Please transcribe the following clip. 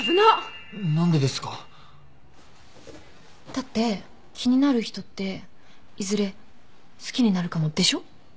だって気になる人っていずれ好きになるかもでしょ？